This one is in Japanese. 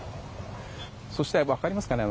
そして、分かりますかね。